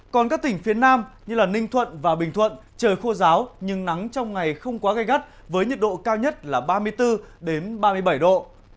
còn các tỉnh phía nam như ninh thuận và bình thuận trời khô giáo nhưng nắng trong ngày không quá gây gắt với nhiệt độ cao nhất là ba mươi bốn ba mươi bảy độ